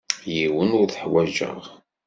Yiwen ur t-ḥwajeɣ.